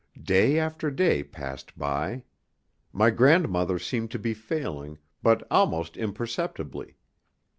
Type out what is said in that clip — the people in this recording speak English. Day after day passed by. My grandmother seemed to be failing, but almost imperceptibly.